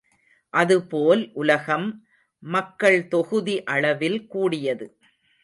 அதுபோல் உலகம் மக்கள் தொகுதி அளவில் கூடியது.